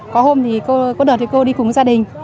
có hôm thì cô có đợt thì cô đi cùng gia đình